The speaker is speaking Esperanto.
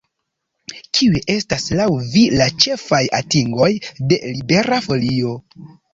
Kiuj estas laŭ vi la ĉefaj atingoj de Libera Folio?